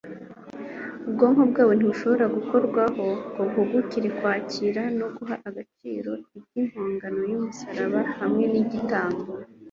ubwonko bwabo ntibushobora gukorwaho ngo buhugukire kwakira no guha agaciro iby'impongano y'umusaraba hamwe n'igitambo